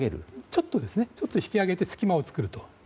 ちょっと引き上げて隙間を作ると。